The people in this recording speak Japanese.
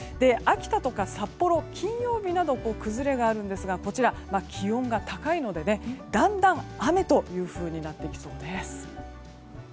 秋田や札幌は金曜日などに崩れがあるんですが気温が高いのでだんだん雨となってきそうです。